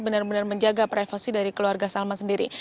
benar benar menjaga privasi dari keluarga salman sendiri